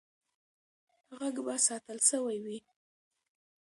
غږ به ساتل سوی وي.